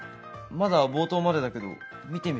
まだ冒頭までだけど見てみる？